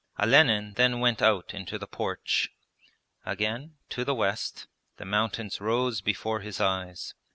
Olenin then went out into the porch. Again, to the west, the mountains rose before his eyes.